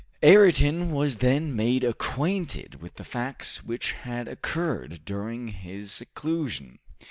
Ayrton was then made acquainted with the facts which had occurred during his seclusion.